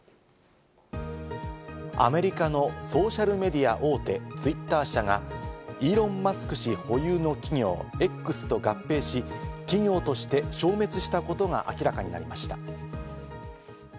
アメリカのソーシャルメディア大手・ツイッター社がイーロン・マスク氏が保有する企業「Ｘ」と合併し、企業として消滅したことが明らかになりました。